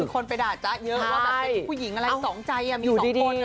คือคนไปด่าจ๊ะเยอะว่าแบบเป็นผู้หญิงอะไรสองใจอ่ะมีสองคนอะไรอย่างนี้